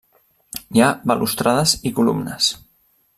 Hi ha balustrades i columnes.